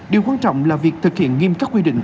điều quan trọng là việc thực hiện nghiêm các quy định